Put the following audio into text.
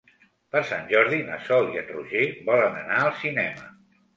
Per Sant Jordi na Sol i en Roger volen anar al cinema.